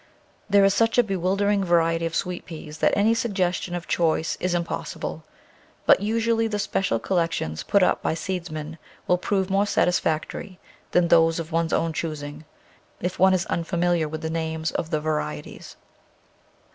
There is such a bewildering variety of Sweet peas that any suggestion of choice is impossible, but usu ally the special collections put up by seedsmen will prove more satisfactory than those of one's own choosing, if one is unfamiliar with the names of the varieties.